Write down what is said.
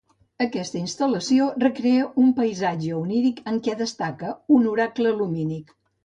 Aquesta instal·lació recrea un paisatge oníric en què destaca un oracle lumínic.